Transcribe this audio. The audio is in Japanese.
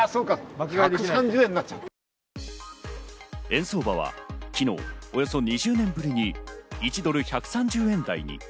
円相場は昨日、およそ２０年ぶりに１ドル１３０円台に。